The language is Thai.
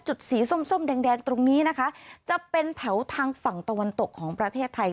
สีส้มส้มแดงตรงนี้นะคะจะเป็นแถวทางฝั่งตะวันตกของประเทศไทย